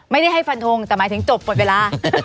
ไม่ได้ให้ฟันทงแต่หมายถึงจบปล่อยเวลา